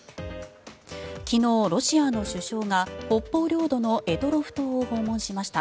昨日、ロシアの首相が北方領土の択捉島を訪問しました。